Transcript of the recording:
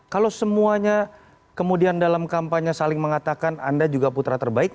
kalau semuanya kemudian dalam kampanye saling mengatakan anda juga putra terbaik